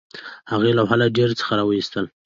هغې لوحه له ډیرۍ څخه راویستله